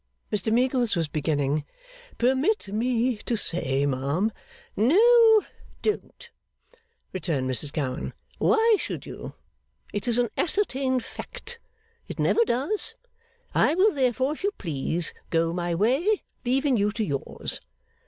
Mr Meagles was beginning, 'Permit me to say, ma'am ' 'No, don't,' returned Mrs Gowan. 'Why should you! It is an ascertained fact. It never does. I will therefore, if you please, go my way, leaving you to yours.